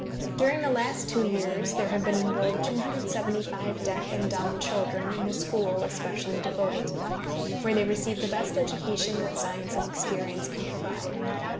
During the last two years there have been enrolled 275 deaf and dumb children in the school especially devoted to them, where they receive the best education that science and experience can provide.